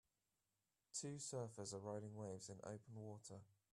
two surfers are riding waves in open water